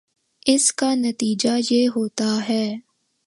اس کا نتیجہ یہ ہوتا ہے